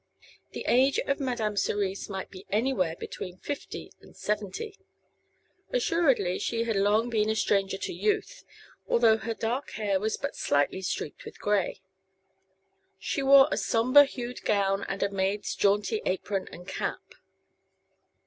The age of Madame Cerise might be anywhere between fifty and seventy; assuredly she had long been a stranger to youth, although her dark hair was but slightly streaked with gray. She wore a somber hued gown and a maid's jaunty apron and cap.